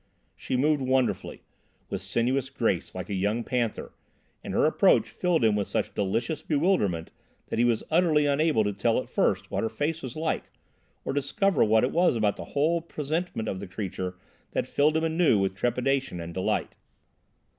She moved wonderfully, with sinuous grace, like a young panther, and her approach filled him with such delicious bewilderment that he was utterly unable to tell at first what her face was like, or discover what it was about the whole presentment of the creature that filled him anew with trepidation and delight.